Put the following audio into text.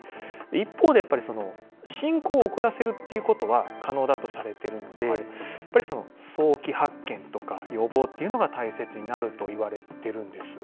一方でやっぱり進行を遅らせるということは可能だとされてるので、早期発見とか予防っていうのが大切になるといわれているんです。